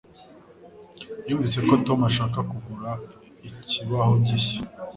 Numvise ko Tom ashaka kugura ikibaho gishya.